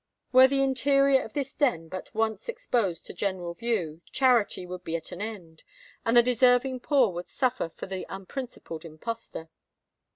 "Were the interior of this den but once exposed to general view, charity would be at an end, and the deserving poor would suffer for the unprincipled impostor."